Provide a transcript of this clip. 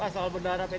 soal benar apa itu